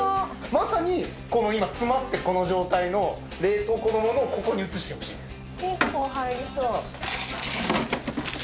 まさに今詰まってるこの状態の冷凍庫のものをここに移してほしいんです。